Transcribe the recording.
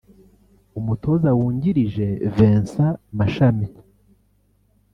umutoza wungirije Vincent Mashami